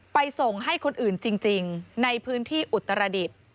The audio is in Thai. ไปส่งให้คนอื่นจริงในพื้นที่อุตรดิษฐ์